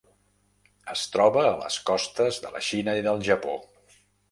Es troba a les costes de la Xina i del Japó.